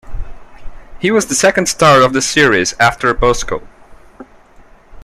He was the second star of the series, after Bosko.